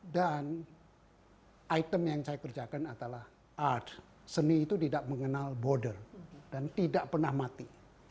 dan item yang saya kerjakan adalah art seni itu tidak mengenal border dan tidak pernah mati